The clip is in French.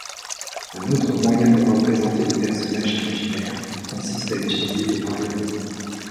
Un autre moyen de représenter des personnages imaginaires consiste à utiliser des marionnettes.